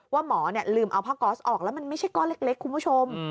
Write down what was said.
หมอลืมเอาผ้าก๊อสออกแล้วมันไม่ใช่ก้อนเล็กคุณผู้ชม